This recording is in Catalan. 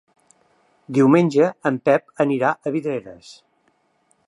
Diumenge en Pep anirà a Vidreres.